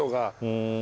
うん。